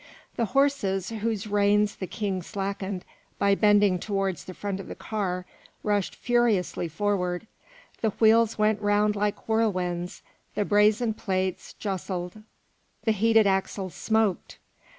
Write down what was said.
The horses, whose reins the King slackened by bending towards the front of the car, rushed furiously forward, the wheels went round like whirlwinds, the brazen plates justled, the heated axles smoked.